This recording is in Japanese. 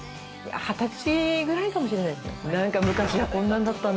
二十歳ぐらいかもしれないですね。